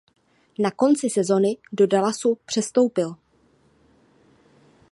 Na konci sezony do Dallasu přestoupil.